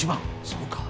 そうか。